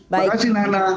terima kasih nana